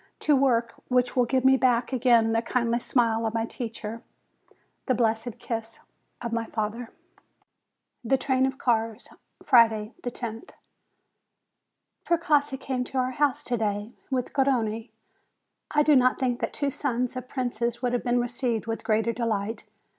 To work, which will give me back again the kindly smile of my teacher, the blessed kiss of my father ! THE TRAIN OF CARS Friday, loth. Precossi came to our house to day with Garrone. I do not think that two sons of princes would have been received with greater delight.